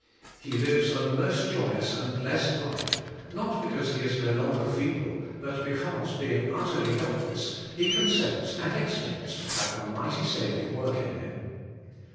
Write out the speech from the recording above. He lives a most joyous and blessed life, not because he is no longer feeble, but because, being utterly helpless, he consents and expects to have the mighty Saviour work in him.